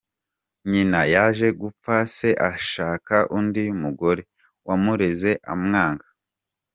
Nyina yaje gupfa, se ashaka undi mugore wamureze amwanga.